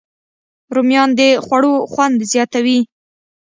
رومیان د خوړو خوند زیاتوي